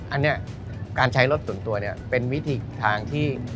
อันนี้การใช้รถส่วนตัวเนี่ยเป็นวิธีทางที่